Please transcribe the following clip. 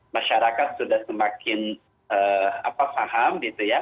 masyarakat sudah semakin faham